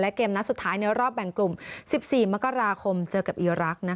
เกมนัดสุดท้ายในรอบแบ่งกลุ่ม๑๔มกราคมเจอกับอีรักษ์